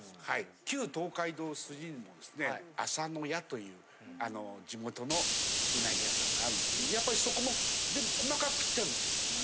旧東海道筋に浅野屋という地元のうなぎ屋さんがあるんですけど、やっぱり、そこも全部細かく切ってあるんですよ。